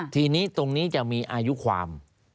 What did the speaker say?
ทีนี้ตรงนี้จะมีอายุความ